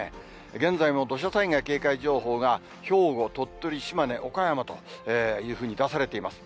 現在も土砂災害警戒情報が、兵庫、鳥取、島根、岡山というふうに出されています。